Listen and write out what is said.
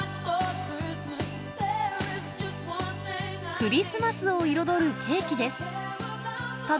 クリスマスを彩るケーキです。